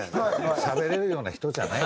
しゃべれるような人じゃない。